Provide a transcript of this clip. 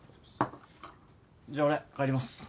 じゃ俺帰ります。